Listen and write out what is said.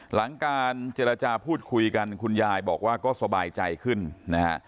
หลังการเจรจาพูดคุยกันคุณยายบอกว่าก็สบายใจขึ้นนะฮะ